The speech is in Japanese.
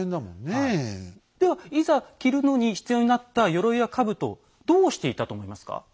ではいざ着るのに必要になった鎧や兜をどうしていたと思いますか？